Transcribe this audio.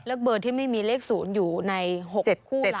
เลือกเบอร์ที่ไม่มีเลขศูนย์อยู่ใน๖คู่หลัง